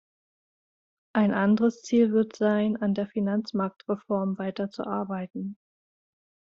Ein anderes Ziel wird sein, an der Finanzmarktreform weiterzuarbeiten.